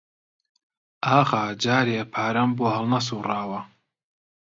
ئاغا جارێ پارەم بۆ هەڵنەسووڕاوە